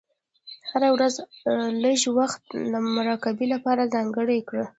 هره ورځ لږ وخت د مراقبې لپاره ځانګړی کړه.